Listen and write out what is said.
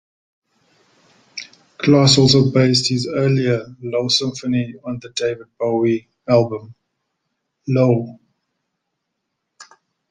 Glass also based his earlier Low Symphony on the David Bowie album, "Low".